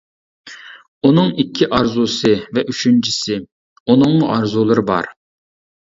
ئۇنىڭ ئىككى ئارزۇسى ۋە ئۈچىنچىسى ئۇنىڭمۇ ئارزۇلىرى بار.